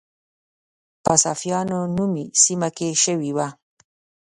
په صافیانو نومي سیمه کې شوې وه.